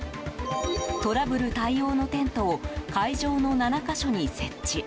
トラブル対応のテントを会場の７か所に設置。